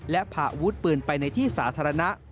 และพาอาวุธปืนไปในที่สาธารณะ